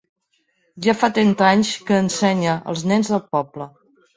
Ja fa trenta anys que ensenya els nens del poble.